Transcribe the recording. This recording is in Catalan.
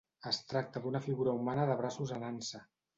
Es tracta d'una figura humana de braços en ansa.